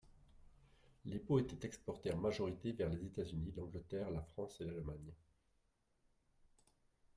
Les peaux étaient exportées en majorité vers les États-Unis, l’Angleterre, la France et l’Allemagne.